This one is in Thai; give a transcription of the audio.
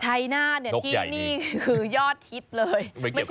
ชัยนาธิ์คนนี้ที่นี่คือยอดฮีตเลย